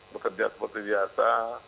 bekerja seperti biasa